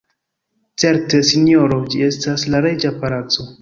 Certe sinjoro, ĝi estas la reĝa palaco.